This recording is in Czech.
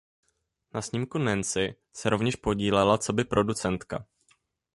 Na snímku "Nancy" se rovněž podílela coby producentka.